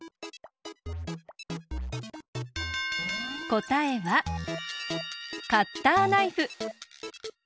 こたえはカッターナイフ。